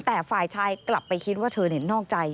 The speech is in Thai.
แต่ฝ่ายชายกลับไปคิดว่าเธอนอกใจ